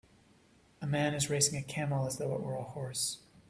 A man is racing a camel as though it were a horse.